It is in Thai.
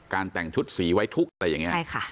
การแต่งชุดสีไว้ทุกอย่างนี้ใช่ค่ะ